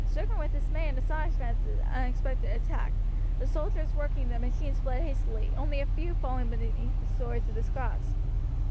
Stricken with dismay and astonishment at this unexpected attack, the soldiers working the machines fled hastily, only a few falling beneath the swords of the Scots.